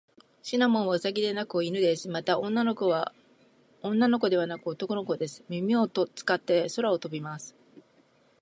シナモンはウサギではなく犬です。また、女の子ではなく男の子です。耳を使って空を飛びます。